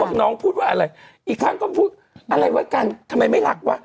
น้องพูดว่าอะไรอีกครั้งก็พูดอะไรวะกันทำไมไม่รักวะ